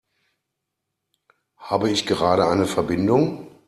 Habe ich gerade eine Verbindung?